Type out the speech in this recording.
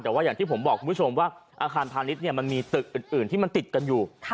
แต่ว่าอย่างที่ผมบอกคุณผู้ชมว่าอาคารพาณิชย์มันมีตึกอื่นที่มันติดกันอยู่